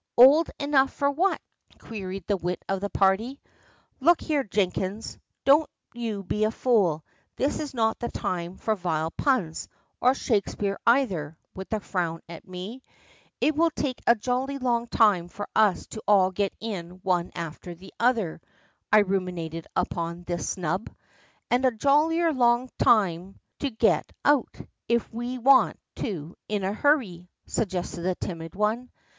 '" "Old enough for what?" queried the wit of the party. "Look here, Jenkins, don't you be a fool; this is not the time for vile puns, or Shakspeare either," with a frown at me. "It will take a jolly long time for us all to get in one after the other," I ruminated upon this snub. "And a jollier long time to get out, if we want to, in a hurry," suggested the timid one.